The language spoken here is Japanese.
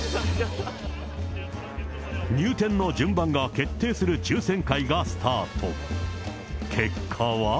入店の順番が決定する抽せん会がスタート。